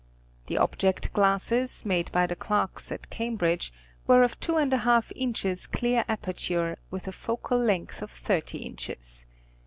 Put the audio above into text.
The object glasses, made by the Clarks at Cambridge, were of 24 inches clear aperature with a focal length of thirty inches.